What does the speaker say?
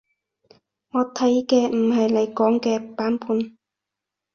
我睇嘅唔係你講嘅版本